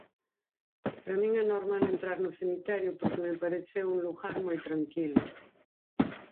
Para min é normal entrar no cemiterio porque me pareceu un lugar moi tranquilo.